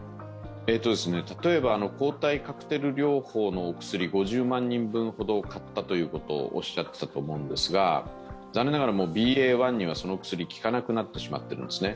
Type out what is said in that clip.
例えば抗体カクテル療法のお薬５０万人ほど買ったということをおっしゃっていたと思うんですが残念ながらＢＡ．１にはその薬、効かなくなっているんですね。